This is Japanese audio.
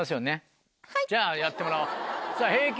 じゃあやってもらおう平均